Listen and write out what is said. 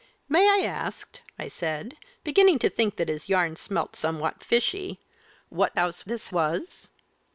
'May I ask,' I said, beginning to think that his yarn smelt somewhat fishy, 'what house this was?'